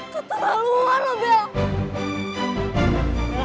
kau terlalu luar lo bella